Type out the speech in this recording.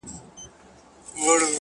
پوهه د نامعلومو لارو نقشه ده.!